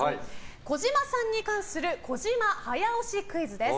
児嶋さんに関する児嶋早押しクイズです。